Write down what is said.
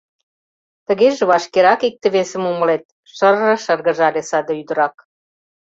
— Тыгеже вашкерак икте-весым умылет, — шыр-р шыргыжале саде ӱдырак.